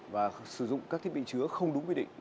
và sử dụng các thiết bị chứa không đúng quy định